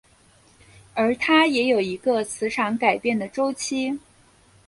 而它也有一个磁场改变的周期。